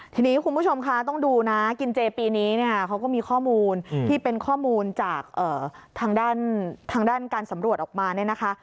ทีนี้คุณผู้ชมคะต้องดูนะกินเจปีนี้เนี่ยเขาก็มีข้อมูลที่เป็นข้อมูลจากทางด้านทางด้านการสำรวจออกมาเนี่ยนะคะ